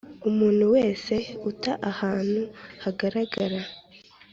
Umuntu wese uta ahantu hagaragara